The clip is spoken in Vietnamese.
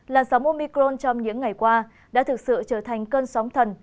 làn sóng omicron trong những ngày qua đã thực sự trở thành cơn sóng thần